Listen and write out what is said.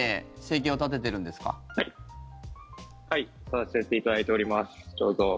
させていただいております。